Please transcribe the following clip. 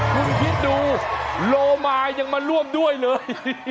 คุณคิดดูโลมายังมาร่วมด้วยเลย